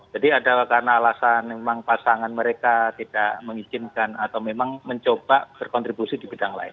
jadi adalah karena alasan memang pasangan mereka tidak mengizinkan atau memang mencoba berkontribusi di bidang lain